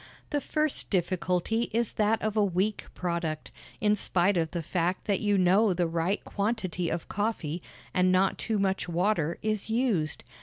The first difficulty is that of a weak product, in spite of the fact that you know the right quantity of coffee, and not too much water, is used.